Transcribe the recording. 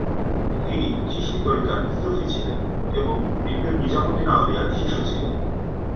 তিনি চিশতী তরিকার সুফি ছিলেন এবং দিল্লির নিজামুদ্দিন আউলিয়ার শিষ্য ছিলেন।